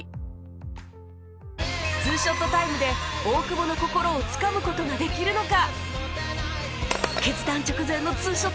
２ショットタイムで大久保の心をつかむ事ができるのか？